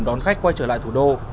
đón khách quay trở lại thủ đô